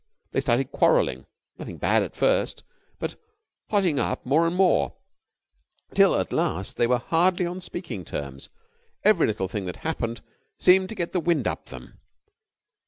They started quarrelling. Nothing bad at first, but hotting up more and more, till at last they were hardly on speaking terms. Every little thing that happened seemed to get the wind up them.